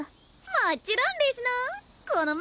もちろんですの！